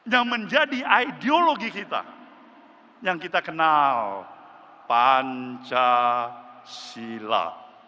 yang menjadi ideologi kita yang kita kenal pancasila